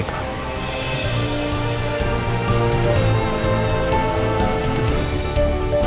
apa yang ditutupin